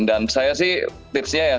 saya sih tipsnya ya